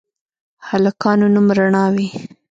هلکانو نوم رڼا وي